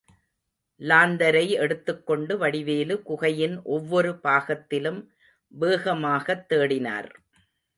லாந்தரை எடுத்துக் கொண்டு வடிவேலு, குகையின் ஒவ்வொரு பாகத்திலும் வேகமாகத் தேடினார்.